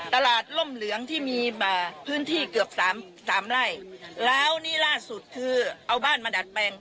ร่มเหลืองที่มีพื้นที่เกือบสามสามไล่แล้วนี่ล่าสุดคือเอาบ้านมาดัดแปลง